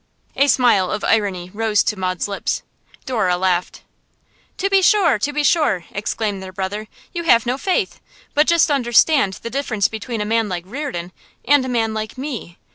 A smile of irony rose to Maud's lips. Dora laughed. 'To be sure! To be sure!' exclaimed their brother. 'You have no faith. But just understand the difference between a man like Reardon and a man like me.